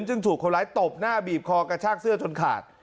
ซึ่งถูกคนร้ายตบหน้าบีบคอกระชากเสื้อจนขาด